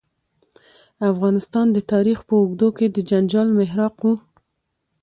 افغانستان د تاریخ په اوږدو کې د جنجال محراق و.